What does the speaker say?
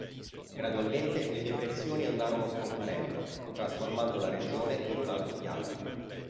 Gradualmente, le depressioni andarono scomparendo, trasformando la regione in un altopiano.